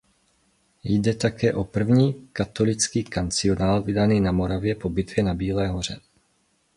Jde také o první katolický kancionál vydaný na Moravě po bitvě na Bílé hoře.